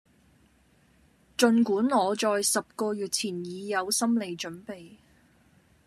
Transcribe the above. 盡管我在十個月前已有心理準備